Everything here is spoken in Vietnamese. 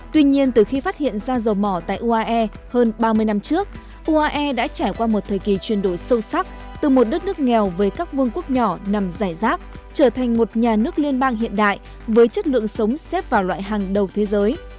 tuy nhiên từ khi phát hiện da dầu mỏ tại uae hơn ba mươi năm trước uae đã trải qua một thời kỳ chuyển đổi sâu sắc từ một đất nước nghèo với các vương quốc nhỏ nằm giải rác trở thành một nhà nước liên bang hiện đại với chất lượng sống xếp vào loại hàng đầu thế giới